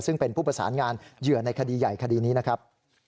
ซึ่งเป็นผู้ประสานงานเหยื่อในคดีใหญ่คดีนี้นะครับ